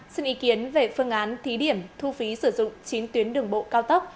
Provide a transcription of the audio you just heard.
xin ý kiến về phương án thí điểm thu phí sử dụng chín tuyến đường bộ cao tốc